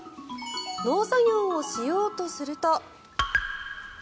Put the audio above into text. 農作業をしようとすると。